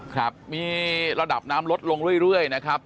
ครับมีระดับน้ำลดลงเรื่อยนะครับ